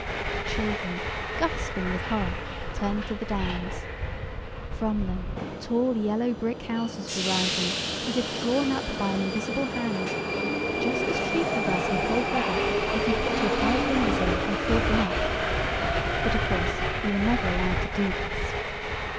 The children, gasping with horror, turned to the downs. From them tall, yellow brick houses were rising, as if drawn up by an invisible hand. Just as treacle does in cold weather if you put your five fingers in and pulled them up. But, of course, you are never allowed to do this.